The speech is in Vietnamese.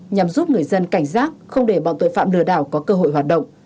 nhằm giúp người dân cảnh giác không để bọn tội phạm lừa đảo có cơ hội hoạt động